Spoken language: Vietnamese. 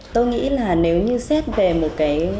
tôi nghĩ là nếu như xét về một cái